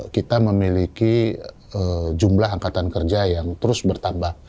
kita memiliki jumlah angkatan kerja yang terus bertambah